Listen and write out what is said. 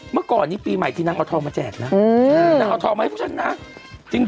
เมื่อก่อนนี้ปีใหม่ทีนางเอาทองมาแจกนะนางเอาทองมาให้พวกฉันนะ